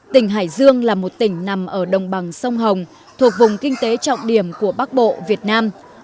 tỉnh hải dương là một tỉnh nằm ở đồng bằng sông hồng thuộc vùng kinh tế trọng điểm của bắc bộ việt nam